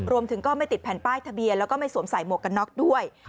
ก็ไม่ติดแผ่นป้ายทะเบียนแล้วก็ไม่สวมใส่หมวกกันน็อกด้วย